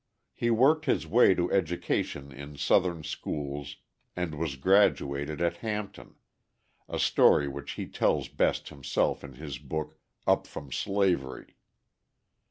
He worked his way to education in Southern schools and was graduated at Hampton a story which he tells best himself in his book, "Up From Slavery."